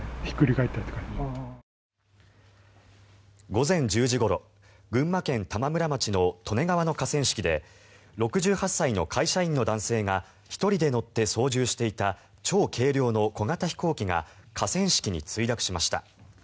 午前１０時ごろ群馬県玉村町の利根川の河川敷で６８歳の会社員の男性が１人で乗って操縦していた超軽量の小型飛行機が河川敷に墜落しました。